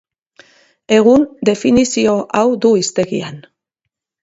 Egun, definizio hau du hiztegian.